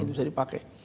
itu bisa dipakai